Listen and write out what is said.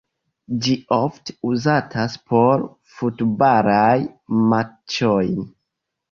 Ĝi ofte uzatas por futbalaj matĉoj.